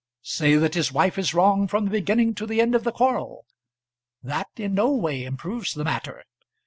Say that his wife is wrong from the beginning to the end of the quarrel, that in no way improves the matter.